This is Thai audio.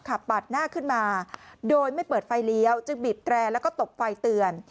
ปาดหน้าขึ้นมาโดยไม่เปิดไฟเลี้ยวจึงบีบแตรแล้วก็ตบไฟเตือน